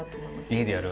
家でやる？